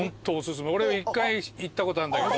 俺１回行ったことあるんだけど。